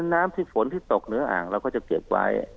น้ำที่ฝนที่ตกเหนืออ่างเราก็จะเก็บไว้